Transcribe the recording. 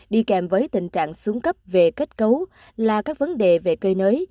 đi kèm với tình trạng xuống cấp về kết cấu là các vấn đề về cơi nới